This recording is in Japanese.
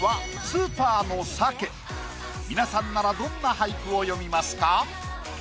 皆さんならどんな俳句を詠みますか？